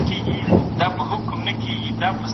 د موټر سايکل او بايسکل خاونده!